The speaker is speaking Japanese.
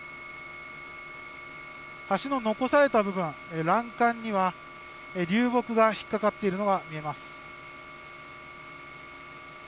橋の残された部分、欄干には流木が引っ掛かっているのが見えます。